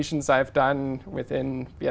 có nhiều nguyên liệu